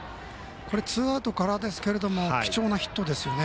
ツーアウトからですが貴重なヒットですよね。